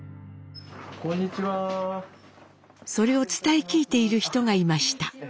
それを伝え聞いている人がいました。